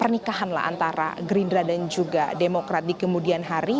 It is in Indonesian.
pernikahanlah antara gerindra dan juga demokrat di kemudian hari